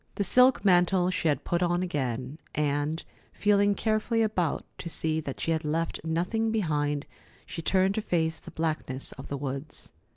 The silk mantle she put on again, and, feeling carefully about to see that she had left nothing behind, she turned to face the blackness of the woods.